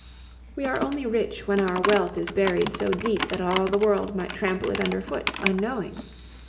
We are only rich when our wealth is buried so deep that all the world might trample it under foot, unknowing.